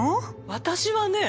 私はね